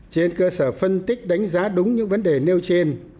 trên cơ sở phân tích đánh giá đúng những vấn đề nêu trên